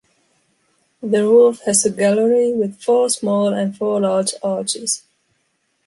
The roof has a gallery with four small and four large arches.